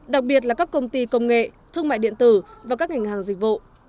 đặc biệt là các công ty công nghệ thương mại điện tử và các ngành hàng dịch vụ